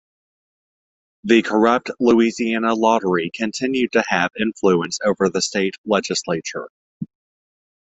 The corrupt Louisiana Lottery continued to have influence over the state legislature.